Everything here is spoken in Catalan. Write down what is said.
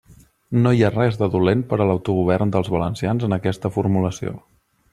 No hi ha res de dolent per a l'autogovern dels valencians en aquesta formulació.